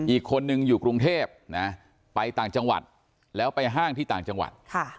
อีกคนนึงอยู่กรุงเทพนะไปต่างจังหวัดแล้วไปห้างที่ต่างจังหวัด